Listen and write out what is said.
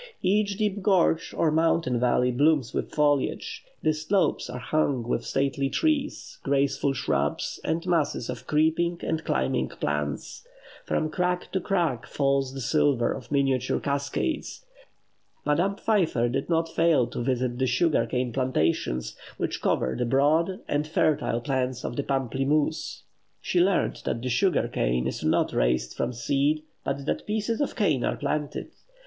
Each deep gorge or mountain valley blooms with foliage; the slopes are hung with stately trees, graceful shrubs, and masses of creeping and climbing plants; from crag to crag falls the silver of miniature cascades. Madame Pfeiffer did not fail to visit the sugar cane plantations, which cover the broad and fertile plains of Pamplimousse. She learned that the sugar cane is not raised from seed, but that pieces of cane are planted.